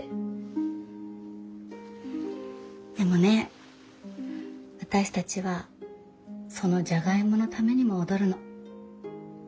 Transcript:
でもね私たちはそのジャガイモのためにも踊るの。